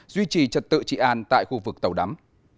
duy trì trật tự trị an tại khu vực tàu đắm